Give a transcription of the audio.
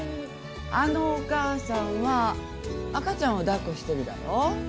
あのお母さんは赤ちゃんを抱っこしてるだろ？